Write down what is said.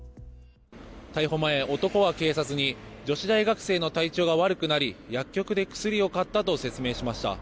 逮捕前、男は警察に女子大学生の体調が悪くなり薬局で薬を買ったと説明しました。